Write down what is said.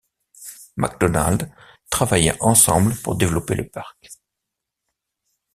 MacDonald travaillèrent ensemble pour développer le parc.